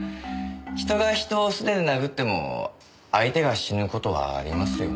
人が人を素手で殴っても相手が死ぬ事はありますよね？